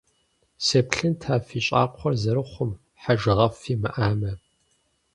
Сеплъынт, а фи щӏакхъуэр зэрыхъум, хьэжыгъэфӏ фимыӏамэ.